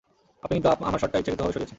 আপনি কিন্তু আমার শটটা ইচ্ছাকৃতভাবে সরিয়েছেন!